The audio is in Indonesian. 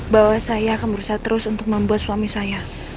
bahwa saya akan berusaha terus untuk membuat suami saya